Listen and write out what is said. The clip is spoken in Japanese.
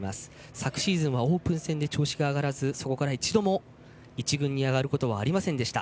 昨シーズンはオープン戦で調子が上がらず、そこから一度も一軍に上がることはありませんでした。